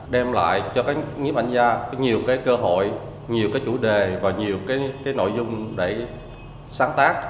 đem lại cho các nhếp ảnh gia nhiều cơ hội nhiều chủ đề và nhiều nội dung để sáng tác